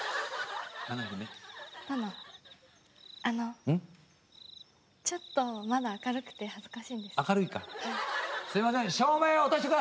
あのちょっとまだ明るくて恥ずかしいんですけど。